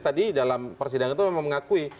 tadi dalam persidangan itu memang mengakui